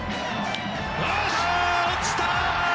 落ちた！